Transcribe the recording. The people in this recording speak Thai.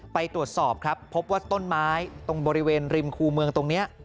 ไปตรวจสอบครับพบว่าต้นไม้ตรงบริเวณริมคูเมืองตรงนี้